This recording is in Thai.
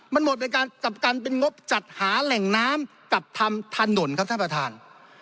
มันหมดไปกับการเป็นงบจัดหาแหล่งน้ำกับทำถนนครับท่านประธาน